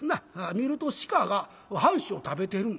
見ると鹿が半紙を食べてる。